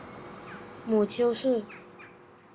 母邹氏。